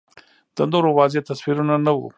د نورو واضح تصویر نه و